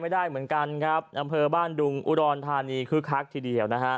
ดังเพลินบ้านดุงอุฎณฑานีคฆาต์ที่เดียว